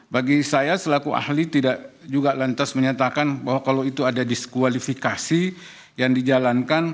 bagi saya selaku ahli tidak juga lantas menyatakan bahwa kalau itu ada diskualifikasi yang dijalankan